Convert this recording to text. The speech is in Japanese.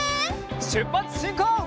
しゅっぱつしんこう！